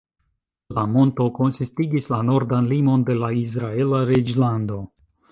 La monto konsistigis la nordan limon de la Izraela reĝlando.